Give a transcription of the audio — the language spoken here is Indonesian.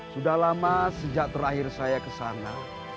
sudah lama sejak terakhir saya ke sana